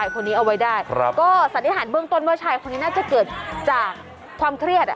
ก็สัญญาณเบื้องต้นว่าใช่คนนี้น่าจะเกิดจากความเครียด